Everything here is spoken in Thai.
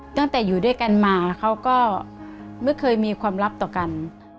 ตั้งแต่อยู่ด้วยกันมาเขาก็ไม่เคยมีความลับต่อกัน